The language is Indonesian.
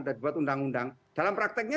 dan buat undang undang dalam prakteknya